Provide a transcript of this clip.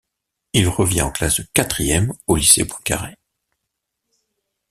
Il revient en classe de quatrième au lycée Poincaré.